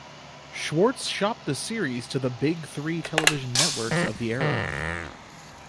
Schwartz shopped the series to the "big three" television networks of the era.